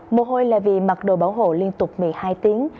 mồ hôi là vì mặc đồ bảo hộ liên tục một mươi hai tiếng